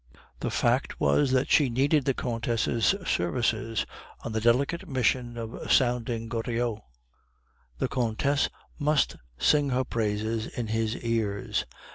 The fact was that she needed the Countess' services on the delicate mission of sounding Goriot; the countess must sing her praises in his ears.